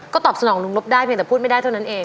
ตอบสนองลุงนบได้เพียงแต่พูดไม่ได้เท่านั้นเอง